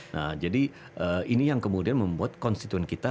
nah jadi ini yang kemudian membuat konstituen kita